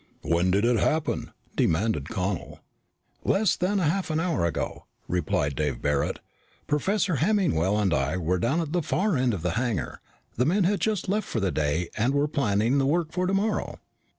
"When did it happen?" demanded Connel. "Less than half an hour ago," replied Dave Barret. "Professor Hemmingwell and I were down at the far end of the hangar. The men had just left for the day and we were planning the work for tomorrow."